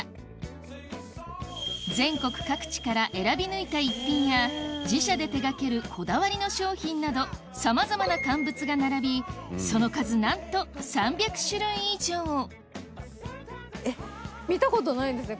全国各地から選び抜いた逸品や自社で手掛けるこだわりの商品などさまざまな乾物が並びその数なんとえっ見たことないですね